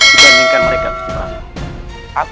dibandingkan mereka kusti pragu